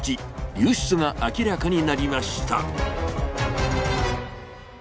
流出が明らかになりました。